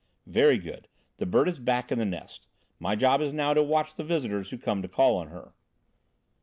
"Very good! The bird is back in the nest: My job is now to watch the visitors who come to call on her."